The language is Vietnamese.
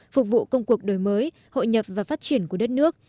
phục vụ công cuộc đổi mới hội nhập và phát triển của đất nước